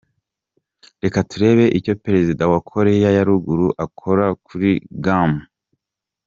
Reka turebe icyo Perezida wa Korea ya Ruguru akora kuri Guam.